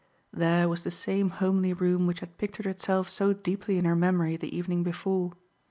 There was the same homely room which had pictured itself so deeply in her memory the evening before.